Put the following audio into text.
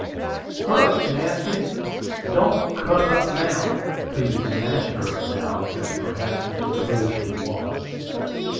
"Hush, Nancy! Don't cut up now!" pleaded the master of the house, as perhaps he supposed he was.